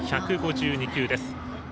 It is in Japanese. １５２球です。